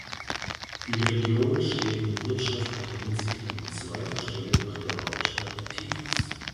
Die Region steht in wirtschaftlicher Hinsicht an zweiter Stelle nach der Hauptstadt Tiflis.